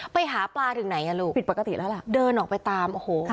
ไปหาปลาถึงไหนอ่ะลูกผิดปกติแล้วล่ะเดินออกไปตามโอ้โห